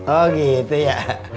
oh gitu ya